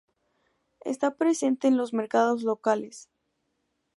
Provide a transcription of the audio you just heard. Está presente en los mercados locales.